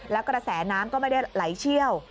แล้วกระแสน้ำก็ไม่ได้ไหลเชี่ยว